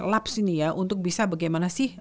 laps ini ya untuk bisa bagaimana sih